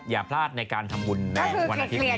อย่าพลาดในการทำบุญในวันอาทิตย์นี้